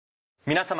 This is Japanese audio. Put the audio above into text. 皆様。